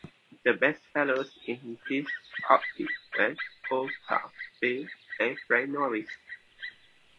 The best fellows in this ‘outfit’ were Choctaw Bill and Frank Norris.